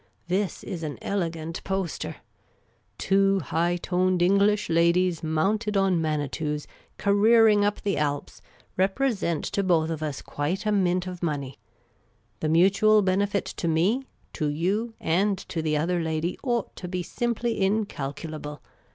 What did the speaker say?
This i.s an elegant poster ! Two high toned English ladies, mounted on Manitous, careering up the Alps, represent to both of us quite a mint of money. The mutual benefit to me, to you, and to the other lady, ought to be simply incalculable.